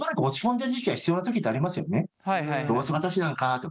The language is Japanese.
どうせ私なんかと。